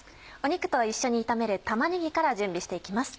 肉と一緒に炒める玉ねぎから準備して行きます。